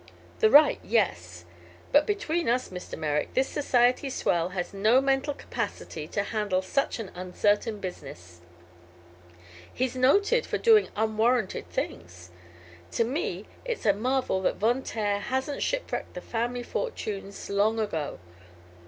"The right; yes. But, between us, Mr. Merrick, this society swell has no mental capacity to handle such an uncertain business. He's noted for doing unwarranted things. To me it's a marvel that Von Taer hasn't shipwrecked the family fortunes long ago.